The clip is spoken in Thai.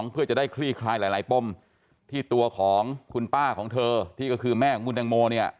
เพื่อจะได้คลี่คลายหลายปมที่ตัวของคุณป้าของเธอที่ก็คือแม่ของคุณแตงโมเนี่ย